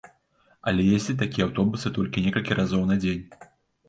Але ездзяць такія аўтобусы толькі некалькі разоў на дзень.